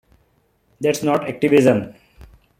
That's not activism.